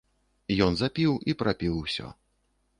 Ён запіў і прапіў усё.